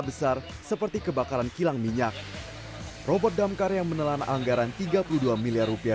besar seperti kebakaran kilang minyak robot damkar yang menelan anggaran tiga puluh dua miliar rupiah